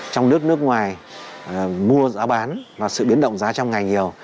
trong nước nước ngoài mua giá bán và sự biến động giá trong ngày nhiều